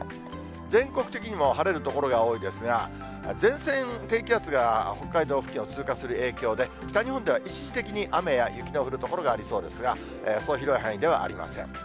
全国的にも晴れる所が多いですが、前線、低気圧が北海道付近を通過する影響で北日本では一時的に雨や雪の降る所がありそうですが、そう広い範囲ではありません。